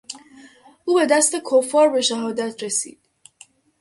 او به دست کفار به شهادت رسید.